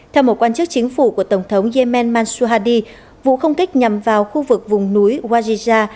theo một quan chức chính phủ của tổng thống yemen mansour hadi vụ không kích nhằm vào khu vực vùng núi wajidiyah